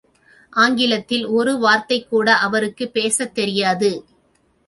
ஆங்கிலத்தில் ஒரு வார்த்தைகூட அவருக்குப் பேசத் தெரியாது.